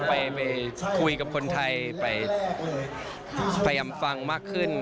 ไปคุยกับคนไทยไปพยายามฟังมากขึ้น